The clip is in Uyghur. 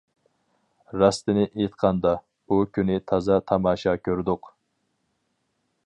راستىنى ئېيتقاندا، ئۇ كۈنى تازا تاماشا كۆردۇق.